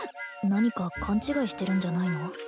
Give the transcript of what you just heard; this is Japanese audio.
何か勘違いしてるんじゃないの？